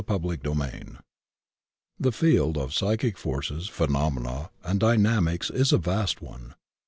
CHAPTER XVI THE field of psychic forces, phenomena, and dy namics is a vast one.